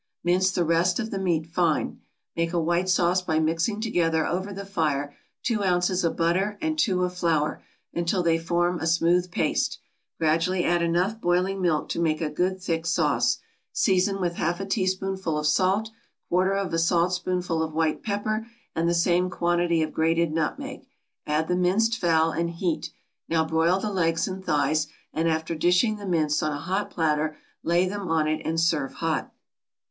Mince the rest of the meat fine. Make a white sauce by mixing together over the fire two ounces of butter and two of flour until they form a smooth paste; gradually add enough boiling milk to make a good thick sauce, season with half a teaspoonful of salt, quarter of a saltspoonful of white pepper, and the same quantity of grated nutmeg; add the minced fowl, and heat; now broil the legs and thighs, and after dishing the mince on a hot platter, lay them on it, and serve hot.